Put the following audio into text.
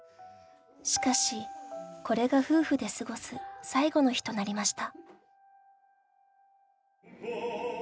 しかし、これが夫婦で過ごす最後の日となりました。